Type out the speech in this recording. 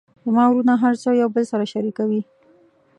زما وروڼه هر څه یو بل سره شریکوي